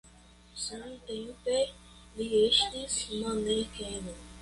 Samtempe li estis manekeno.